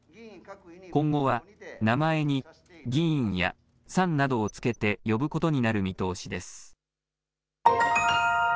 今後は名前に議員やさんなどをつけて呼ぶことになる見通しです。